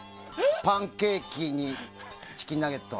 パンケーキにチキンナゲット。